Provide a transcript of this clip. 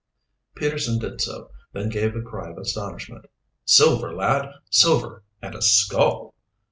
Peterson did so, then gave a cry of astonishment. "Silver, lad, silver! And a skull!"